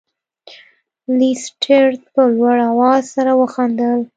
لیسټرډ په لوړ اواز سره وخندل.